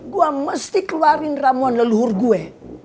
gue mesti keluarin ramuan leluhur gue